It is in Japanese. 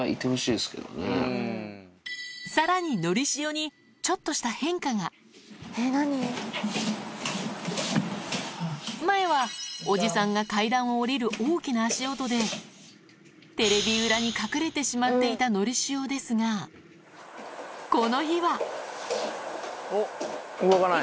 さらに前はおじさんが階段を下りる大きな足音でテレビ裏に隠れてしまっていたのりしおですがこの日はおっ動かない。